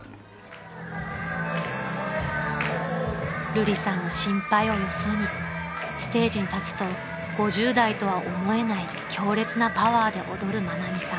［るりさんの心配をよそにステージに立つと５０代とは思えない強烈なパワーで踊る愛美さん］